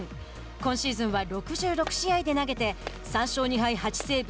今シーズンは６６試合で投げて３勝２敗８セーブ